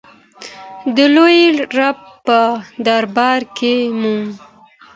د لوی رب په دربار کې مو.